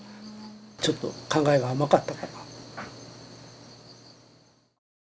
ちょっと考えが甘かったかな。